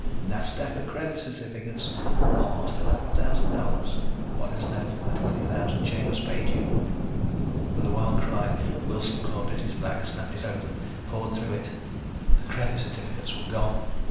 That stack of credit certificates. Almost eleven thousand dollars, what is left of the twenty thousand Chambers paid you." With a wild cry Wilson clawed at his bag, snapped it open, pawed through it. The credit certificates were gone!